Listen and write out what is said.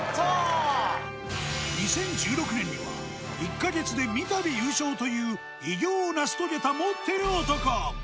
２０１６年には１か月で三度優勝という偉業を成し遂げた持っている男。